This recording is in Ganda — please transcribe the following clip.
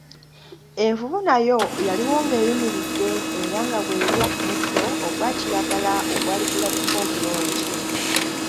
Envubu nayo yaliwo ng'eyimiridde era nga bw'erya ku muddo ogwa kiragala ogwali gulabika obulungi.